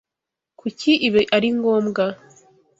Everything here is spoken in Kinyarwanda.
Kuki ibi ari ngombwa?